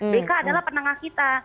bk adalah penangah kita